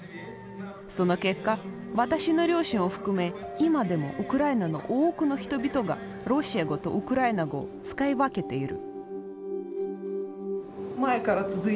その結果私の両親を含め今でもウクライナの多くの人々がロシア語とウクライナ語を使い分けている。